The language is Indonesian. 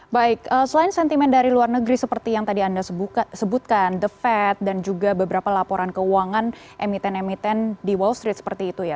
baik selain sentimen dari luar negeri seperti yang tadi anda sebutkan the fed dan juga beberapa laporan keuangan emiten emiten di wall street seperti itu ya